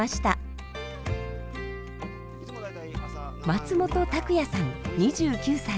松本拓也さん２９歳。